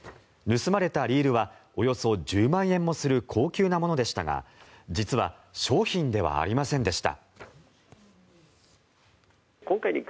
盗まれたリールはおよそ１０万円もする高級なものでしたが実は、商品ではありませんでした。